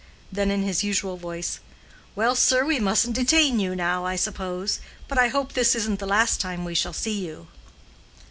Then in his usual voice, "Well, sir, we mustn't detain you now, I suppose; but I hope this isn't the last time we shall see you."